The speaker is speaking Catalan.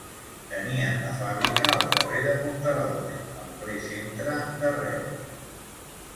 Tenien la fàbrica al carrer de Monterols, en ple centre de Reus.